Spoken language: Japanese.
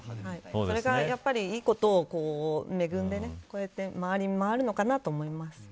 それがやっぱりいいことを恵んでこうやって回り回るのかなと思います。